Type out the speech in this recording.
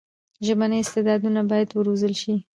ژبني استعدادونه باید وروزل سي.